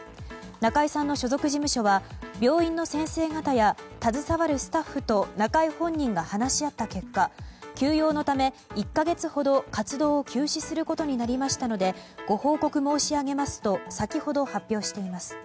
中居さんの所属事務所は病院の先生方や携わるスタッフと中居本人が話し合った結果休養のため、１か月ほど活動を休止することになりましたのでご報告申し上げますと先ほど発表しています。